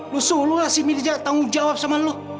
lo suruh lo ngasih mirza tanggung jawab sama lo